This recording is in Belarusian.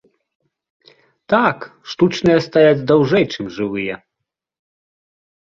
Так, штучныя стаяць даўжэй, чым жывыя.